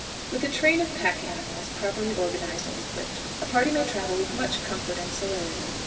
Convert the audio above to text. With a train of pack animals properly organized and equipped, a party may travel with much comfort and celerity.